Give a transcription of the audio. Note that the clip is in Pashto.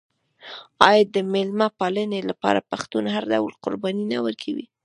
آیا د میلمه پالنې لپاره پښتون هر ډول قرباني نه ورکوي؟